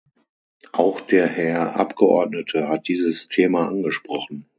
Auch der Herr Abgeordnete hat dieses Thema angesprochen.